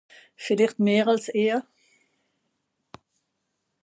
Villicht meh àls ìhr.